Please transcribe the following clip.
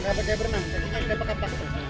kita ke pekat pekat